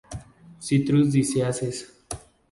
Citrus Diseases.